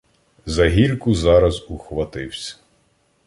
За гільку зараз ухвативсь.